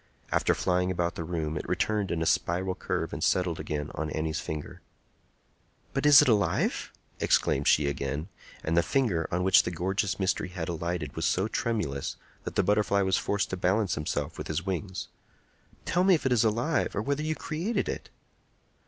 After flying about the room, it returned in a spiral curve and settled again on Annie's finger. "But is it alive?" exclaimed she again; and the finger on which the gorgeous mystery had alighted was so tremulous that the butterfly was forced to balance himself with his wings. "Tell me if it be alive, or whether you created it."